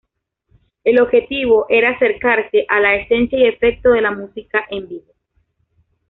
El objetivo era acercarse a la esencia y efecto de la música en vivo.